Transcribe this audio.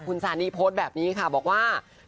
คุณซานีโพสต์แบบนี้ค่ะบอกว่า